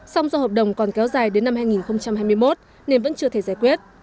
song do hợp đồng còn kéo dài đến năm hai nghìn hai mươi một nên vẫn chưa thể giải quyết